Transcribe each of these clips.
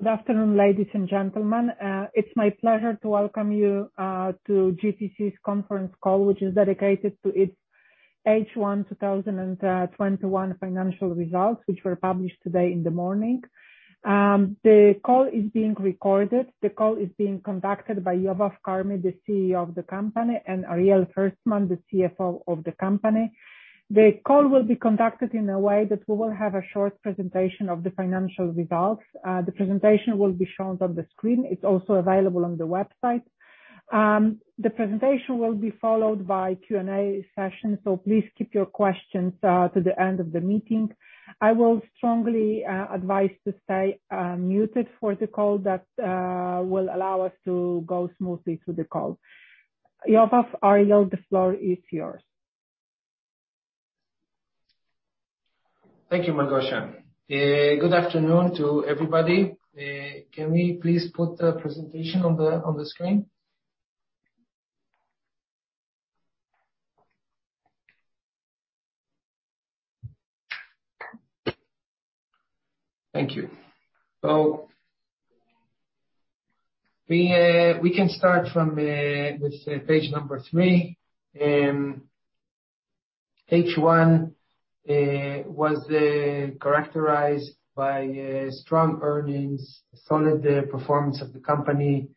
Good afternoon, ladies and gentlemen. It is my pleasure to welcome you to GTC's conference call, which is dedicated to its H1 2021 financial results, which were published today in the morning. The call is being recorded. The call is being conducted by Yovav Carmi, the CEO of the company, and Ariel Ferstman, the CFO of the company. The call will be conducted in a way that we will have a short presentation of the financial results. The presentation will be shown on the screen. It is also available on the website. The presentation will be followed by Q&A session. Please keep your questions to the end of the meeting. I will strongly advise to stay muted for the call. That will allow us to go smoothly through the call. Yovav, Ariel, the floor is yours. Thank you, Małgorzata. Good afternoon to everybody. Can we please put the presentation on the screen? Thank you. We can start with page number three. H1 was characterized by strong earnings, solid performance of the company,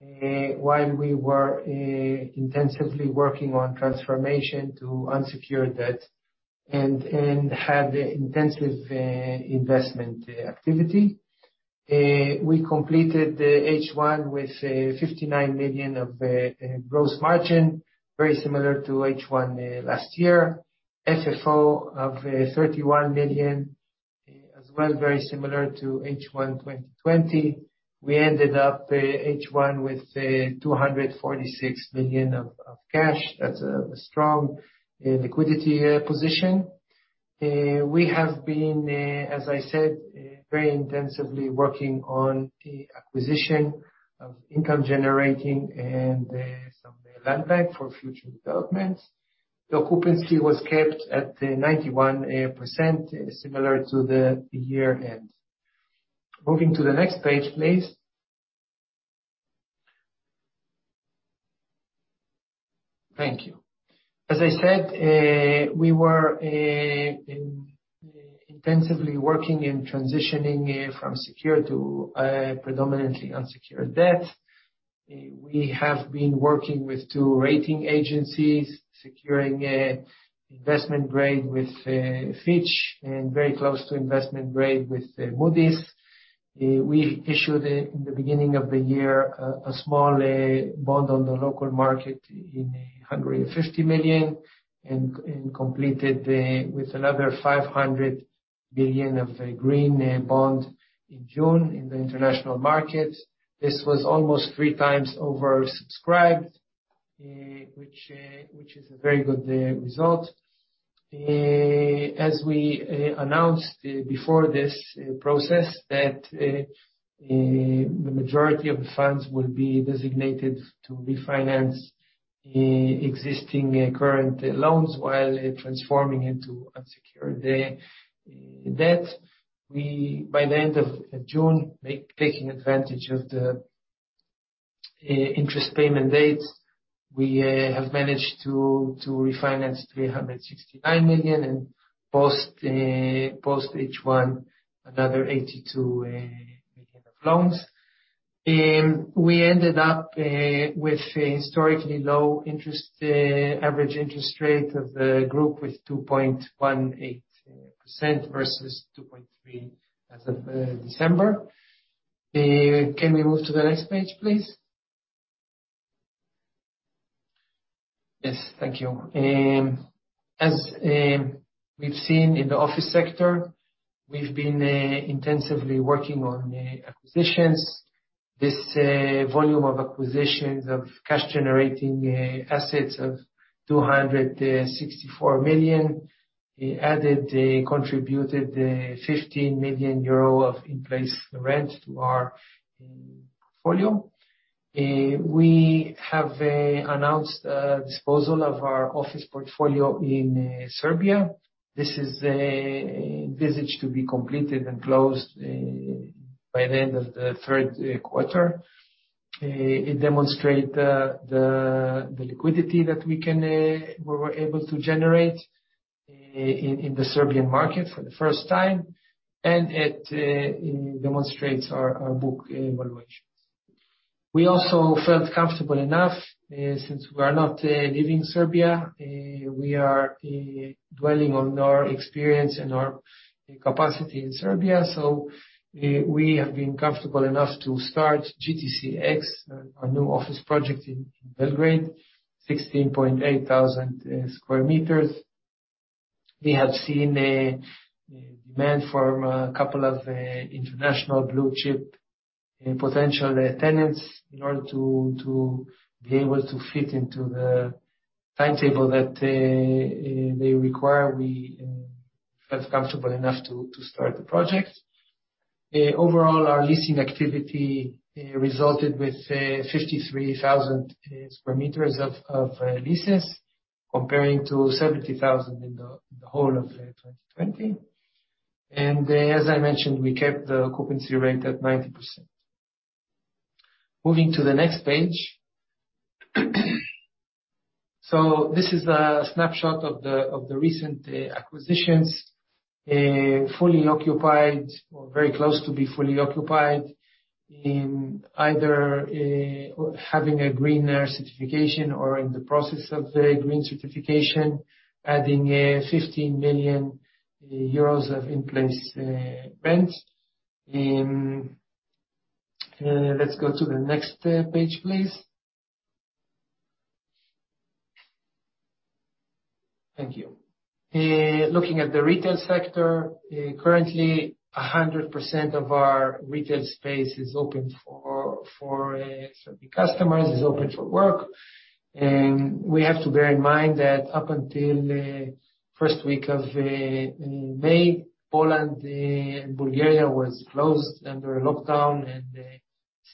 while we were intensively working on transformation to unsecured debt and had intensive investment activity. We completed H1 with 59 million of gross margin, very similar to H1 last year. FFO of 31 million, as well, very similar to H1 2020. We ended up H1 with 246 million of cash. That's a strong liquidity position. We have been, as I said, very intensively working on the acquisition of income generating and some land bank for future developments. The occupancy was kept at 91%, similar to the year end. Moving to the next page, please. Thank you. As I said, we were intensively working in transitioning from secure to predominantly unsecured debt. We have been working with two rating agencies, securing investment grade with Fitch and very close to investment grade with Moody's. We issued, in the beginning of the year, a small bond on the local market in 150 million and completed with another 500 million of green bond in June in the international market. This was almost 3x oversubscribed, which is a very good result. As we announced before this process, that the majority of the funds will be designated to refinance existing current loans while transforming into unsecured debt. By the end of June, taking advantage of the interest payment dates, we have managed to refinance 369 million and post H1 another 82 million of loans. We ended up with a historically low average interest rate of the group with 2.18% versus 2.3% as of December. Can we move to the next page, please? Yes, thank you. As we've seen in the office sector, we've been intensively working on acquisitions. This volume of acquisitions of cash generating assets of 264 million added, contributed 15 million euro of in-place rent to our portfolio. We have announced a disposal of our office portfolio in Serbia. This is envisaged to be completed and closed by the end of the third quarter. It demonstrate the liquidity that we were able to generate in the Serbian market for the first time, and it demonstrates our book valuations. We also felt comfortable enough, since we are not leaving Serbia, we are dwelling on our experience and our capacity in Serbia. We have been comfortable enough to start GTC X, our new office project in Belgrade, 16,800 sq m. We have seen demand from a couple of international blue chip potential tenants. In order to be able to fit into the timetable that they require, we felt comfortable enough to start the project. Overall, our leasing activity resulted with 53,000 sq m of leases. Comparing to 70,000 in the whole of 2020. As I mentioned, we kept the occupancy rate at 90%. Moving to the next page. This is a snapshot of the recent acquisitions, fully occupied or very close to be fully occupied, either having a green certification or in the process of the green certification, adding 15 million euros of in-place rent. Let's go to the next page, please. Thank you. Looking at the retail sector, currently 100% of our retail space is open for serving customers, is open for work. We have to bear in mind that up until first week of May, Poland and Bulgaria was closed under lockdown, and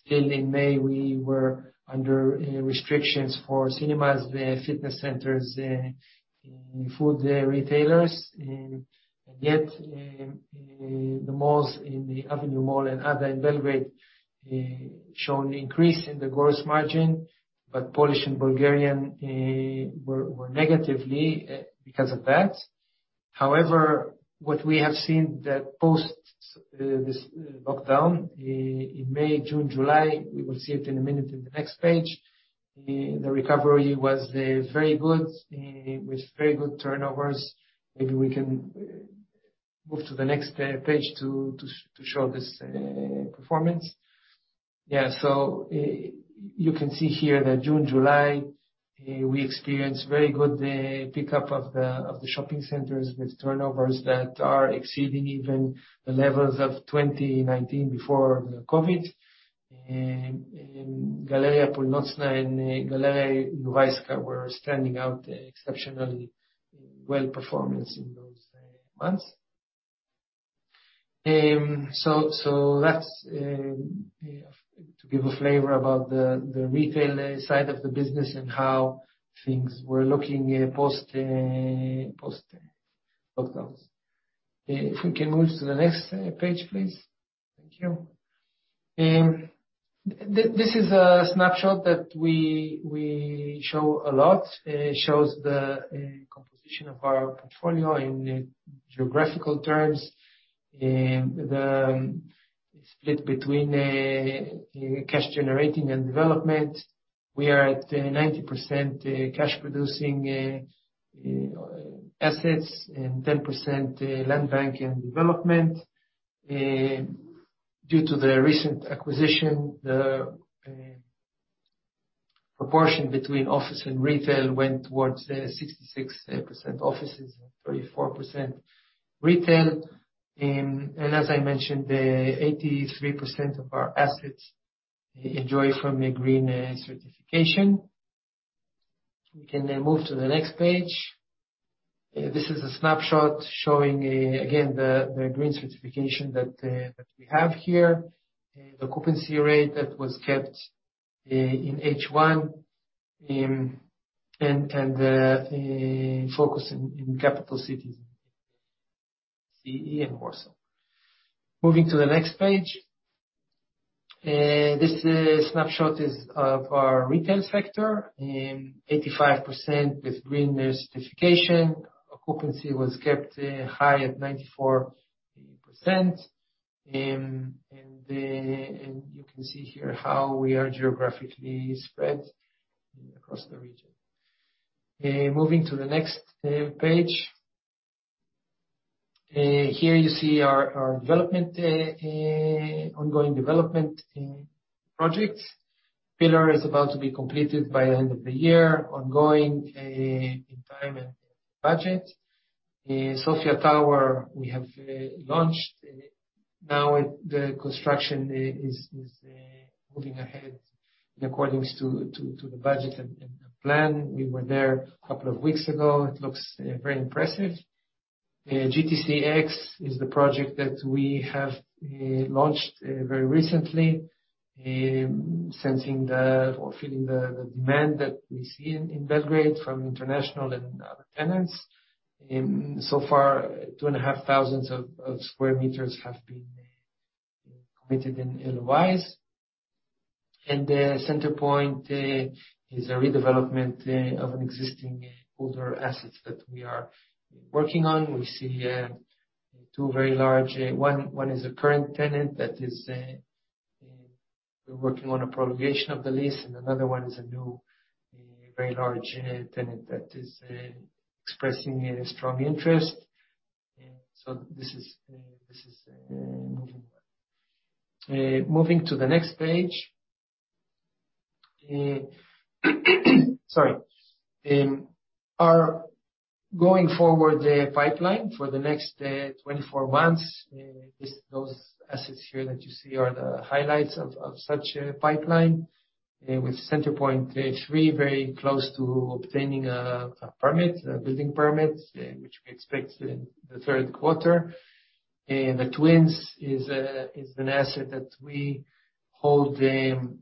still in May, we were under restrictions for cinemas, fitness centers, food retailers, and yet the malls, the Avenue Mall and Ada in Belgrade shown increase in the gross margin. Polish and Bulgarian were negatively because of that. What we have seen that post this lockdown in May, June, July, we will see it in a minute in the next page, the recovery was very good with very good turnovers. Maybe we can move to the next page to show this performance. Yeah. You can see here that June, July, we experienced very good pickup of the shopping centers, with turnovers that are exceeding even the levels of 2019, before COVID. Galeria Północna and Galeria Nowa Huta were standing out exceptionally well performance in those months. That's to give a flavor about the retail side of the business and how things were looking post lockdowns. If we can move to the next page, please. Thank you. This is a snapshot that we show a lot. It shows the composition of our portfolio in geographical terms. The split between cash generating and development. We are at 90% cash producing assets and 10% land bank and development. Due to the recent acquisition, the proportion between office and retail went towards 66% offices and 34% retail. As I mentioned, 83% of our assets enjoy from a green certification. We can then move to the next page. This is a snapshot showing, again, the green certification that we have here, the occupancy rate that was kept in H1, and the focus in capital cities, CEE and Warsaw. Moving to the next page. This snapshot is of our retail sector, 85% with green certification. Occupancy was kept high at 94%, and you can see here how we are geographically spread across the region. Moving to the next page. Here you see our ongoing development projects. Pillar is about to be completed by the end of the year, ongoing in time and budget. Sofia Tower, we have launched. Now the construction is moving ahead according to the budget and plan. We were there a couple of weeks ago. It looks very impressive. GTC X is the project that we have launched very recently, feeling the demand that we see in Belgrade from international and other tenants. Far, 2,500 sq m have been committed in lease. Center Point is a redevelopment of an existing older assets that we are working on. We see two very large. One is a current tenant that we're working on a prolongation of the lease, and another one is a new, very large tenant that is expressing a strong interest. This is moving well. Moving to the next page. Sorry. Our going forward pipeline for the next 24 months. Those assets here that you see are the highlights of such a pipeline, with Center Point 3 very close to obtaining a building permit, which we expect in the third quarter. The Twins is an asset that we hold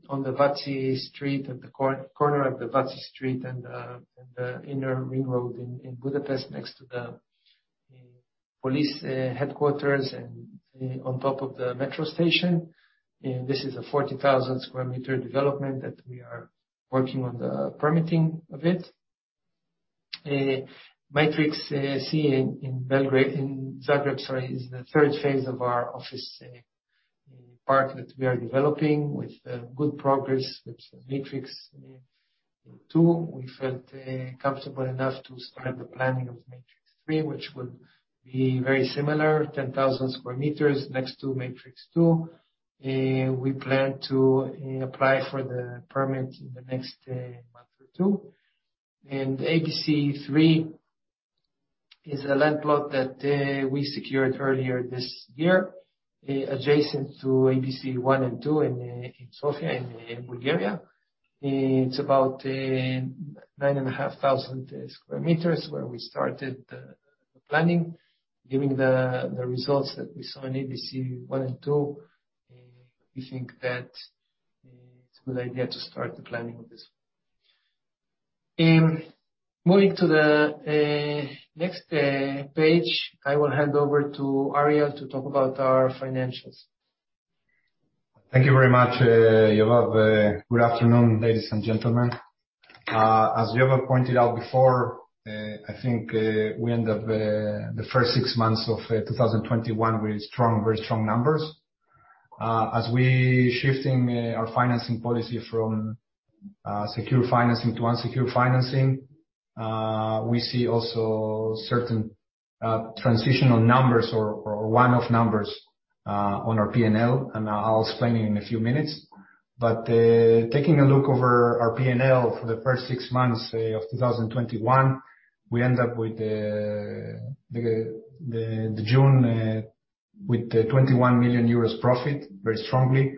on the Váci Street, at the corner of the Váci Street and the inner ring road in Budapest, next to the police headquarters and on top of the metro station. This is a 40,000 sq m development that we are working on the permitting of it. Matrix C in Zagreb is the third phase of our office park that we are developing, with good progress with Matrix B. We felt comfortable enough to start the planning of Matrix C, which will be very similar, 10,000 sq m next to Matrix B. We plan to apply for the permit in the next month or two. ABC 3 is a land plot that we secured earlier this year, adjacent to ABC 1 and 2 in Sofia, in Bulgaria. It's about 9,500 sq m where we started the planning. Given the results that we saw in ABC 1 and 2, we think that it's a good idea to start the planning of this. Moving to the next page, I will hand over to Ariel to talk about our financials. Thank you very much, Yovav. Good afternoon, ladies and gentlemen. As Yovav pointed out before, I think we end up the first six months of 2021 with very strong numbers. As we shifting our financing policy from secure financing to unsecure financing, we see also certain transitional numbers or one-off numbers on our P&L, and I'll explain in a few minutes. Taking a look over our P&L for the first six months of 2021, we end up with the June, with the 21 million euros profit, very strongly.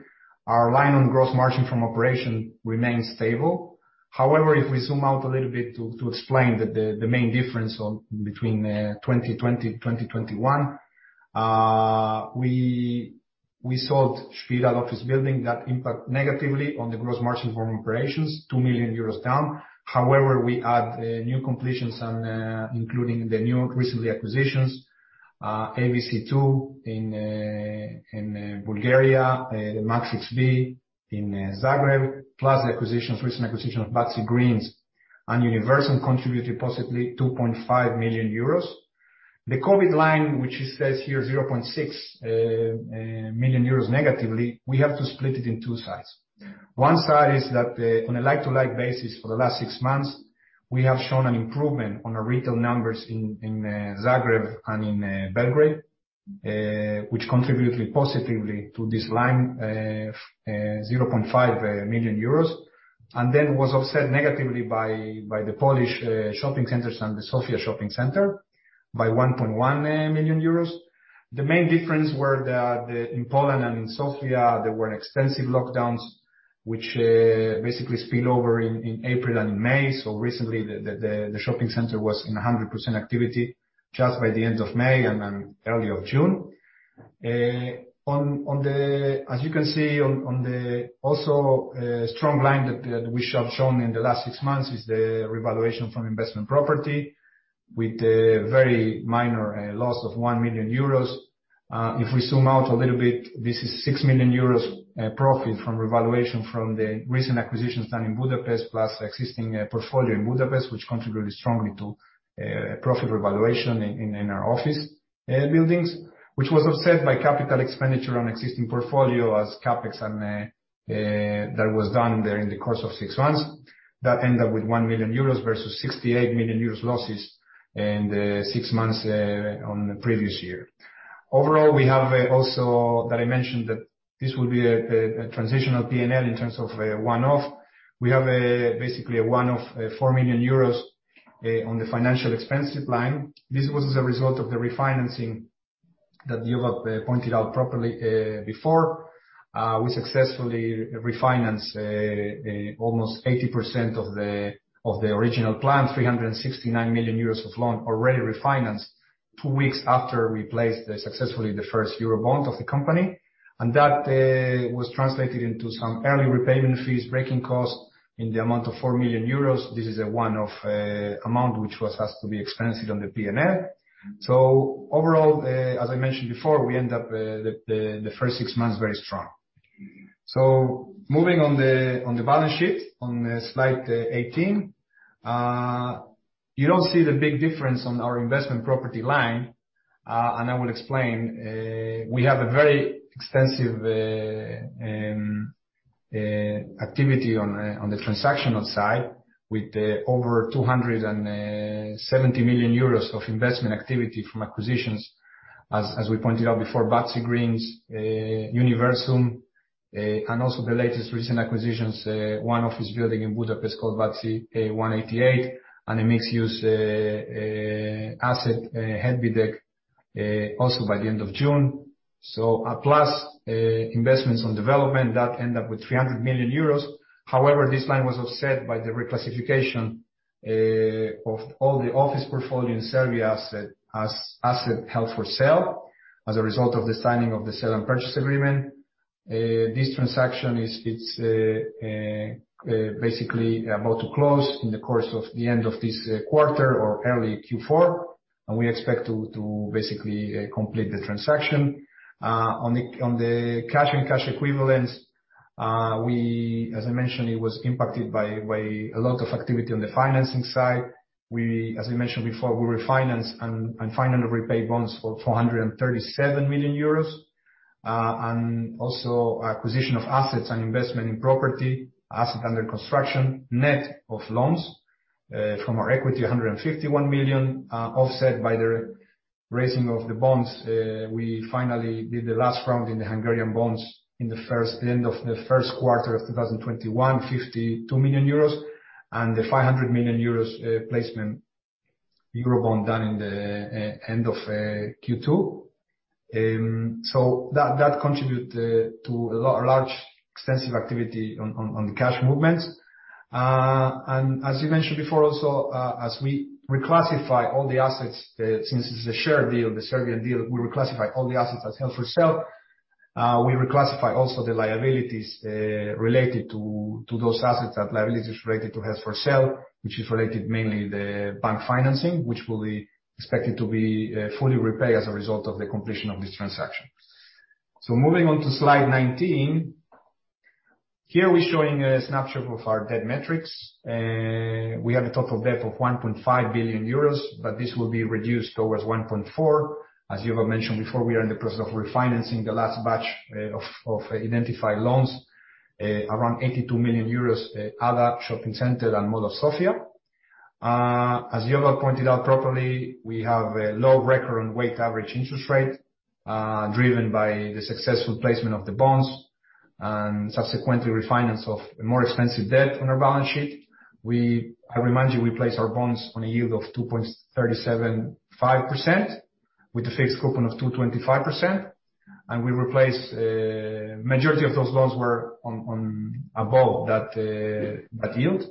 Our line on gross margin from operation remains stable. However, if we zoom out a little bit to explain the main difference between 2020, 2021, we sold Spiral office building. That impact negatively on the gross margin from operations, 2 million euros down. However, we add new completions including the new recent acquisitions, ABC 2 in Bulgaria, the Matrix B in Zagreb, plus the recent acquisition of Váci Greens and Univerzum contributed positively 2.5 million euros. The COVID line, which it says here 0.6 million euros negatively, we have to split it in two sides. One side is that on a like-to-like basis for the last six months, we have shown an improvement on our retail numbers in Zagreb and in Belgrade, which contributed positively to this line, 0.5 million euros. Was offset negatively by the Polish shopping centers and the Sofia shopping center by 1.1 million euros. The main difference were that in Poland and in Sofia, there were extensive lockdowns, which basically spill over in April and in May. Recently, the shopping center was in 100% activity just by the end of May and early of June. As you can see on the also strong line that we have shown in the last six months is the revaluation from investment property with a very minor loss of 1 million euros. If we zoom out a little bit, this is 6 million euros profit from revaluation from the recent acquisitions done in Budapest, plus existing portfolio in Budapest, which contributed strongly to profit revaluation in our office buildings, which was offset by capital expenditure on existing portfolio as CapEx that was done there in the course of six months, that end up with 1 million euros versus 68 million euros losses in the six months on the previous year. We have also, that I mentioned, that this will be a transitional P&L in terms of a one-off. We have basically a one-off 4 million euros on the financial expenses line. This was as a result of the refinancing that Yovav Carmi pointed out properly, before. We successfully refinance almost 80% of the original plan, 369 million euros of loan already refinanced two weeks after we placed successfully the first Eurobond of the company. That was translated into some early repayment fees, breaking costs in the amount of 4 million euros. This is a one-off amount, which was has to be expensed on the P&L. Overall, as I mentioned before, we end up the first six months very strong. Moving on the balance sheet, on Slide 18. You don't see the big difference on our investment property line. I will explain. We have a very extensive activity on the transactional side with over 270 million euros of investment activity from acquisitions. As we pointed out before, Váci Greens, Univerzum, and also the latest recent acquisitions, one office building in Budapest called Váci 188, and a mixed-use asset, Hegyvidék, also by the end of June. Plus investments on development that end up with 300 million euros. However, this line was offset by the reclassification of all the office portfolio in Serbia asset held for sale, as a result of the signing of the sell and purchase agreement. This transaction is basically about to close in the course of the end of this quarter or early Q4, and we expect to basically complete the transaction. On the cash and cash equivalents, as I mentioned, it was impacted by a lot of activity on the financing side. As we mentioned before, we refinanced and finally repaid bonds for 437 million euros. Also acquisition of assets and investment in property, asset under construction, net of loans from our equity, 151 million, offset by the raising of the bonds. We finally did the last round in the Hungarian bonds in the end of the first quarter of 2021, 52 million euros, and the 500 million euros placement Eurobond done in the end of Q2. That contribute to a large extensive activity on the cash movements. As we mentioned before also, as we reclassify all the assets, since it's a shared deal, the Serbian deal, we reclassify all the assets as held for sale. We reclassify also the liabilities related to those assets. That liability is related to held for sale, which is related mainly the bank financing, which will be expected to be fully repaid as a result of the completion of this transaction. Moving on to Slide 19. Here we're showing a snapshot of our debt metrics. We have a total debt of 1.5 billion euros, this will be reduced towards 1.4 billion. As Yovav mentioned before, we are in the process of refinancing the last batch of identified loans, around EUR 82 million, Ada Mall and Mall of Sofia. As Yovav pointed out properly, we have a low record on weighted average interest rate, driven by the successful placement of the bonds and subsequently refinance of more expensive debt on our balance sheet. I remind you, we place our bonds on a yield of 2.375% with a fixed coupon of 2.25%, we replace, majority of those loans were above that yield.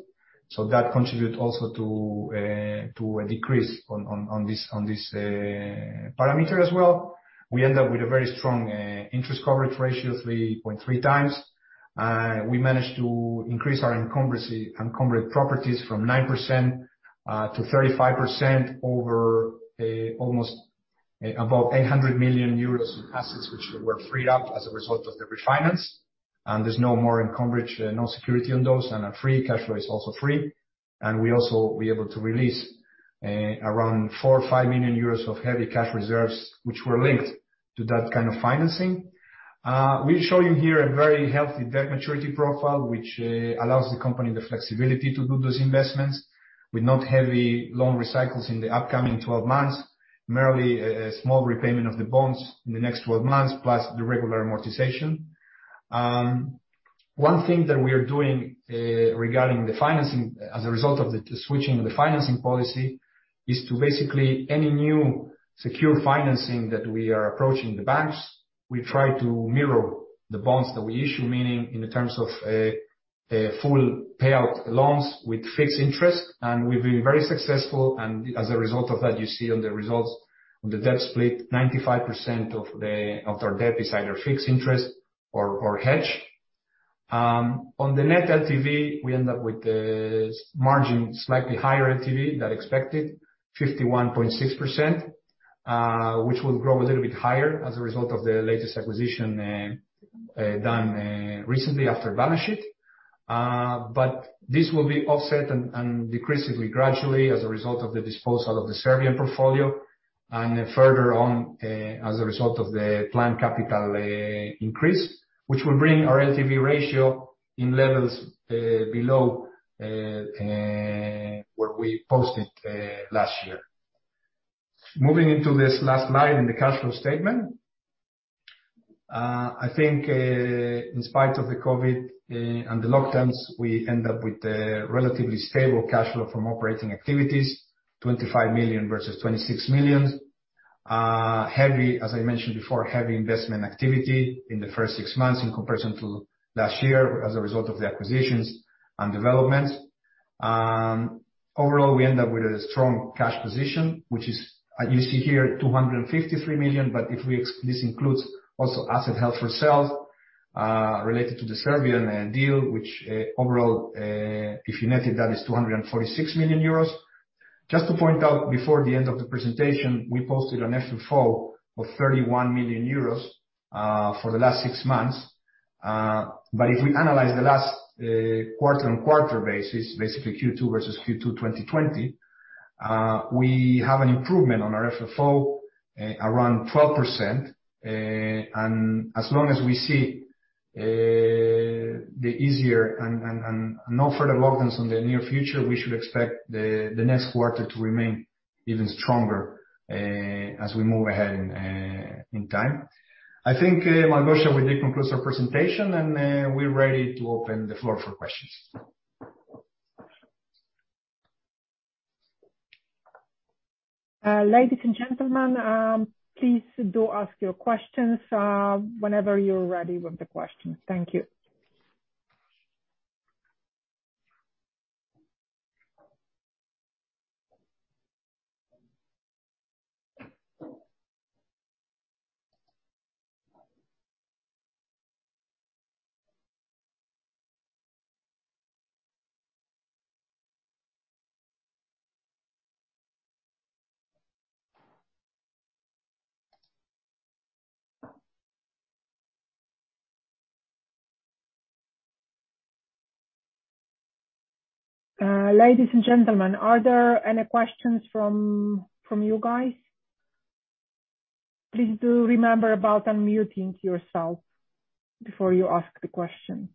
That contribute also to a decrease on this parameter as well. We end up with a very strong interest coverage ratio, 3.3x. We managed to increase our encumbered properties from 9%-35% over almost about 800 million euros in assets, which were freed up as a result of the refinance, and there's no more encumbrage, no security on those, and are free, cash flow is also free. We also were able to release around 4 million or 5 million euros of heavy cash reserves, which were linked to that kind of financing. We show you here a very healthy debt maturity profile, which allows the company the flexibility to do those investments with not heavy loan recycles in the upcoming 12 months. Merely a small repayment of the bonds in the next 12 months, plus the regular amortization. One thing that we are doing regarding the financing as a result of the switching the financing policy, is to basically any new secure financing that we are approaching the banks, we try to mirror the bonds that we issue, meaning in the terms of a full payout loans with fixed interest. We've been very successful, and as a result of that, you see on the results on the debt split, 95% of our debt is either fixed interest or hedge. On the net LTV, we end up with a margin slightly higher LTV than expected, 51.6%, which will grow a little bit higher as a result of the latest acquisition done recently after balance sheet. This will be offset and decreased gradually as a result of the disposal of the Serbian portfolio and further on, as a result of the planned capital increase, which will bring our LTV ratio in levels below, where we posted last year. Moving into this last slide in the cash flow statement. I think, in spite of the COVID and the lockdowns, we end up with a relatively stable cash flow from operating activities, 25 million versus 26 million. Heavy, as I mentioned before, heavy investment activity in the first six months in comparison to last year as a result of the acquisitions and developments. Overall, we end up with a strong cash position, which is, you see here, 253 million, but this includes also asset held for sale, related to the Serbian deal, which overall, if you netted that, is 246 million euros. Just to point out before the end of the presentation, we posted an FFO of 31 million euros for the last six months. If we analyze the last quarter-on-quarter basis, basically Q2 versus Q2 2020, we have an improvement on our FFO around 12%. As long as we see, the easier and no further lockdowns on the near future, we should expect the next quarter to remain even stronger, as we move ahead in time. I think, Małgorzata, we did conclude our presentation, and we're ready to open the floor for questions. Ladies and gentlemen, please do ask your questions whenever you're ready with the questions. Thank you. Ladies and gentlemen, are there any questions from you guys? Please do remember about unmuting yourself before you ask the question.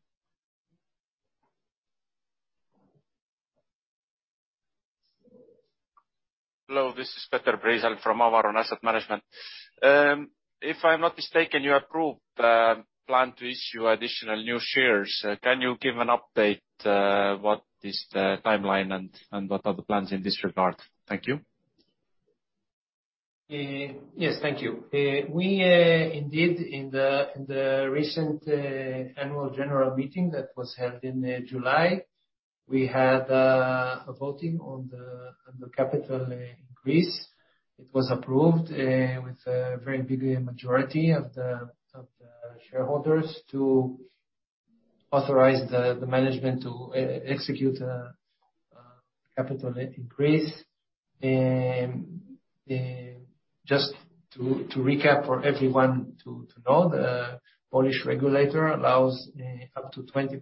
Hello. This is Petter Breisa from Amaron Asset Management. If I'm not mistaken, you approved the plan to issue additional new shares. Can you give an update? What is the timeline and what are the plans in this regard? Thank you. Yes. Thank you. We indeed, in the recent annual general meeting that was held in July, we had a voting on the capital increase. It was approved, with a very big majority of the shareholders to authorize the management to execute a capital increase. Just to recap for everyone to know, the Polish regulator allows up to 20%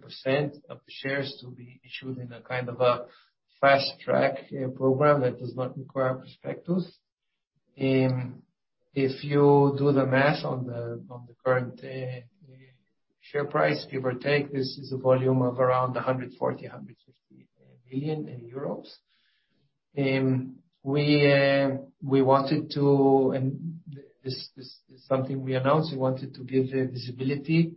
of the shares to be issued in a kind of a fast track program that does not require prospectus. If you do the math on the current share price, give or take, this is a volume of around 140 million-150 million euros. This is something we announced. We wanted to give visibility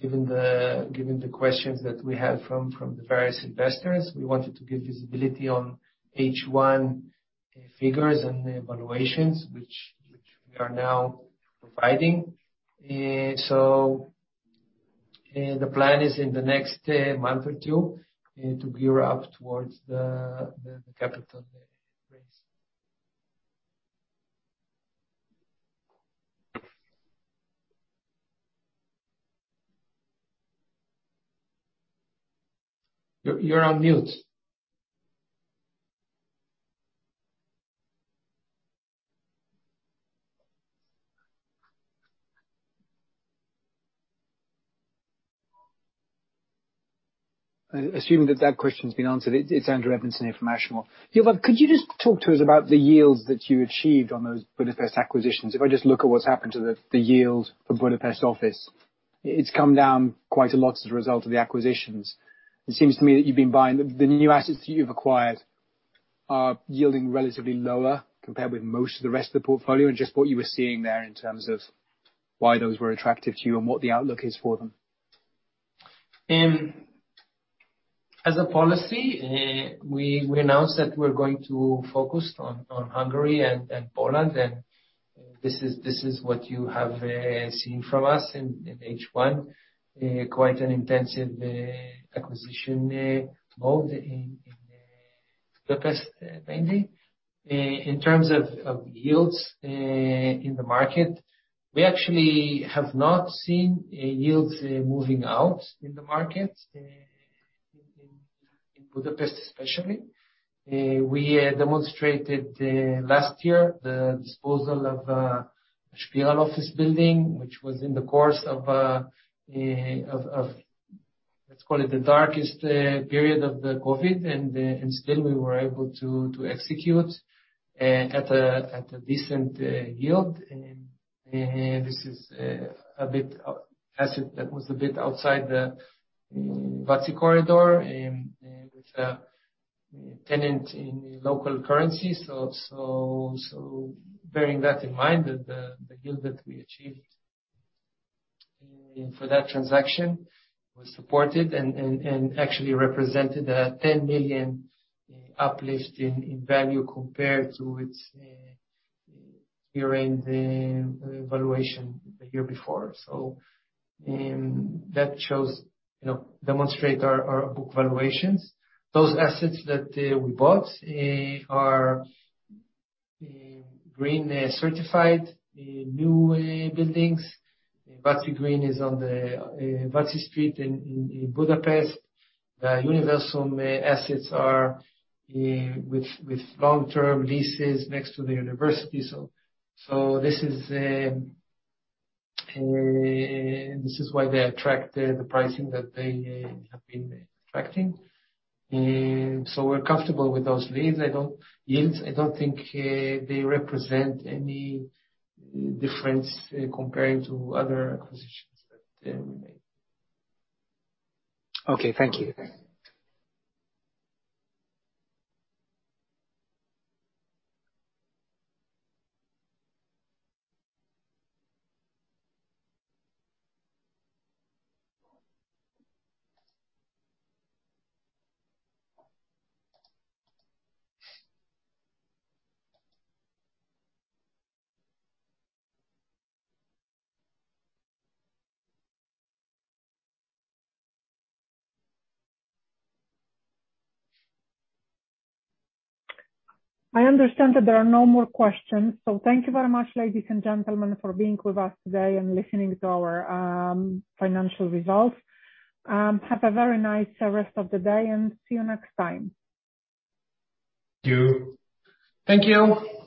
given the questions that we had from the various investors. We wanted to give visibility on H1 figures and valuations, which we are now providing. The plan is in the next month or two to gear up towards the capital increase. You're on mute. Assuming that that question's been answered, it's Edward Evans from Ashmore. Yovav Carmi, could you just talk to us about the yields that you achieved on those Budapest acquisitions? If I just look at what's happened to the yield for Budapest office, it's come down quite a lot as a result of the acquisitions. It seems to me that the new assets that you've acquired are yielding relatively lower compared with most of the rest of the portfolio, and just what you were seeing there in terms of why those were attractive to you and what the outlook is for them. As a policy, we announced that we're going to focus on Hungary and Poland, and this is what you have seen from us in H1. Quite an intensive acquisition mode in Budapest, mainly. In terms of yields in the market, we actually have not seen yields moving out in the market, in Budapest especially. We demonstrated last year the disposal of Spiral office building, which was in the course of, let's call it, the darkest period of the COVID, and still we were able to execute at a decent yield. This is an asset that was a bit outside the Váci corridor, and with a tenant in local currency. Bearing that in mind, the yield that we achieved for that transaction was supported and actually represented a 10 million uplift in value compared to its year-end valuation the year before. That demonstrate our book valuations. Those assets that we bought are green certified, new buildings. Váci Greens is on Váci Street in Budapest. The Univerzum assets are with long-term leases next to the university. This is why they attract the pricing that they have been attracting. We're comfortable with those yields. I don't think they represent any difference comparing to other acquisitions that we made. Okay. Thank you. I understand that there are no more questions. Thank you very much, ladies and gentlemen, for being with us today and listening to our financial results. Have a very nice rest of the day, and see you next time. Thank you. Thank you.